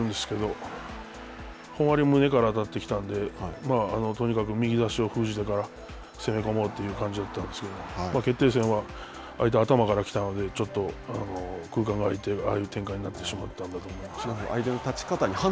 本割でもやっているんですけど、本割で胸から当たってきたんで、とにかく右差しを封じてから、攻め込もうという感じだったんですけど、決定戦は、相手、頭から来たので、ちょっと空間が空いて、ああいう展開になってしまったんだと思います。